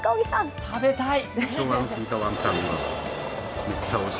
食べたい！